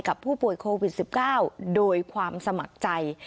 ผู้ป่วยโควิด๑๙โดยความสมัครใจ